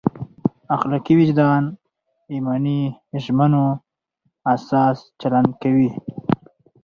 اخلاقي وجدان ایماني ژمنو اساس چلند کوي.